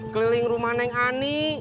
keliling rumah neng ani